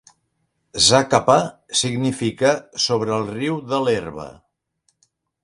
Zacapa significa sobre el riu de l'herba.